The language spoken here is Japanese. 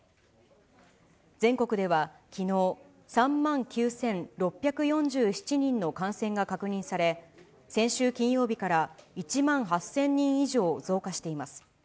全国ではきのう、３万９６４７人の感染が確認され、先週金曜日から１万８０００人以上増加しています。